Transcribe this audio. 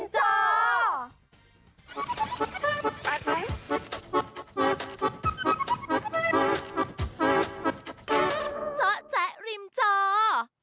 เจ้าแจ๊ะริมเจ้า